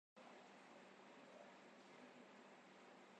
Doombru ɓaŋgi debbo, jooɗi jam.